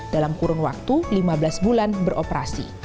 dalam kurun waktu lima belas bulan beroperasi